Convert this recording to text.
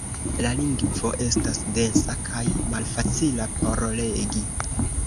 La lingvo estas densa kaj malfacila por legi.